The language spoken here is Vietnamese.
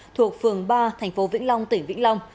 thuộc phường ba tp vĩnh long tỉnh vĩnh long